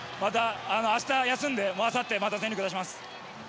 明日休んであさって全力を出します。